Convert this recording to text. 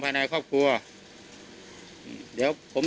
ผม